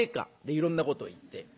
いろんなこと言って。